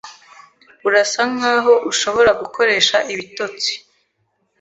Urasa nkaho ushobora gukoresha ibitotsi.